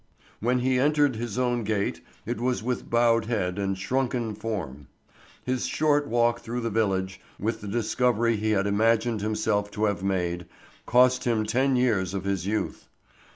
When he re entered his own gate it was with bowed head and shrunken form. His short walk through the village, with the discovery he had imagined himself to have made, cost him ten years of his youth.